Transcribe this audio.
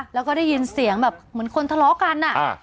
แล้วก็ได้ยินเสียงแบบเหมือนคนทะเลาะกันอ่ะ